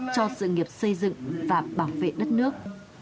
cho sự nghiệp xây dựng và bảo vệ đất nước